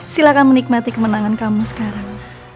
silahkan menikmati kemenangan kamu sekarang